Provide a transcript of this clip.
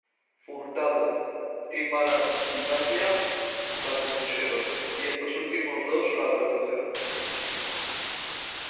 Furtado, Timbaland y Danja la compusieron, y estos últimos dos la produjeron.